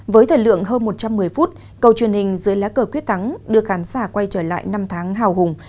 với thời lượng hơn một trăm một mươi phút cầu truyền hình dưới lá cờ quyết thắng đưa khán giả quay trở lại năm tháng hào hùng